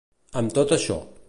Amb tot això.